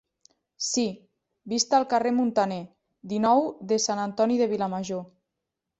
Sí, vist al carrer Muntaner, dinou de Sant Antoni de Vilamajor.